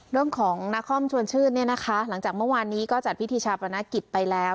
เรื่องของนครชวนชื่นเนี่ยนะคะหลังจากเมื่อวานนี้ก็จัดพิธีชาปนกิจไปแล้ว